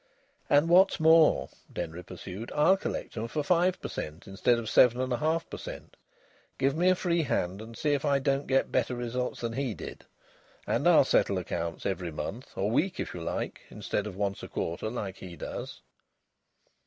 "And what's more," Denry pursued, "I'll collect 'em for five per cent, instead of seven and a half. Give me a free hand, and see if I don't get better results than he did. And I'll settle accounts every month, or week if you like, instead of once a quarter, like he does."